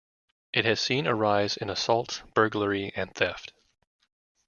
It has seen a rise in assaults, burglary, and theft.